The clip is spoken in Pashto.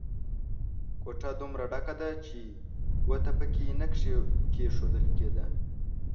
کوټه دومره ډکه ده چې ګوته په کې نه کېښول کېده.